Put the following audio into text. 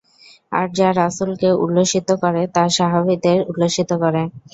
আর যা রাসূলকে উল্লসিত করে তা সাহাবীদের উল্লসিত করে।